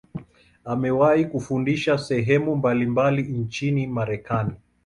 Amewahi kufundisha sehemu mbalimbali nchini Marekani.